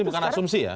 ini bukan asumsi ya